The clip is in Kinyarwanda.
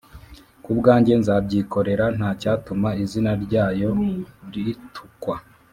Kubwanjye nzabyikorera ntacyatuma izina ryayo ritukwa